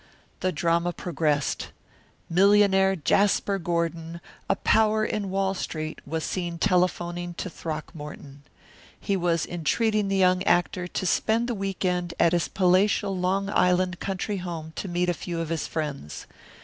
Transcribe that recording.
The drama progressed. Millionaire Jasper Gordon, "A Power in Wall Street," was seen telephoning to Throckmorton. He was entreating the young actor to spend the week end at his palatial Long Island country home to meet a few of his friends.